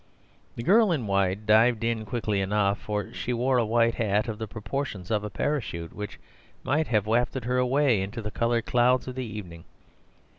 The girl in white dived in quickly enough, for she wore a white hat of the proportions of a parachute, which might have wafted her away into the coloured clouds of evening.